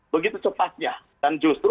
begitu cepatnya dan justru